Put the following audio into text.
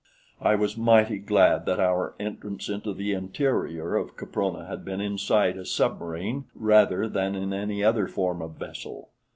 I was mighty glad that our entrance into the interior of Caprona had been inside a submarine rather than in any other form of vessel.